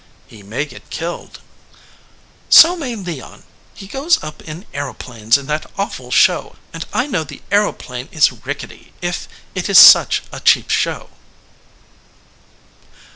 "He may get killed." "So may Leon. He goes up in aeroplanes in that awful show, and I know the aeroplane is rickety if it is such a cheap show."